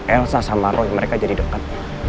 elsa sama roy mereka jadi dekat